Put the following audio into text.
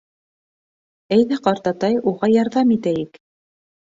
Әйҙә, ҡартатай, уға ярҙам итәйек.